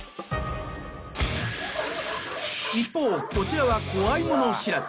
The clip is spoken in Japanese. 一方こちらは怖いもの知らず。